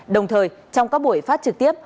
đồng thời trong các buổi phát trực tiếp